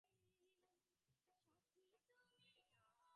তাঁর দোকানে ভাপা, কুলি, পাটিসাপটা, পানতুয়া, গোলাপ, নারিকেলসহ নানা রকম পিঠা।